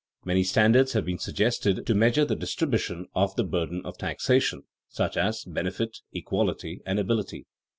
_ Many standards have been suggested to measure the distribution of the burden of taxation, such as benefit, equality, and ability.